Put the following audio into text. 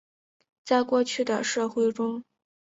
在过去的社会中。